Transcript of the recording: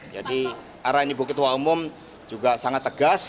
jadi arah ini ketua umum juga sangat tegas